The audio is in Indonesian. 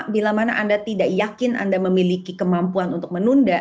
bila mana anda tidak yakin anda memiliki kemampuan untuk menunda